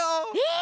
え！